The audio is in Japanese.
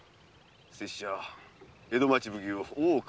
拙者江戸町奉行大岡